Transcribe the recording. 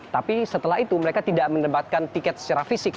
tapi setelah itu mereka tidak mendapatkan tiket secara fisik